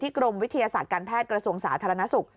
กรมวิทยาศาสตร์การแพทย์กระทรวงสาธารณสุข